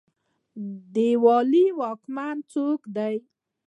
د والي واکونه څه دي؟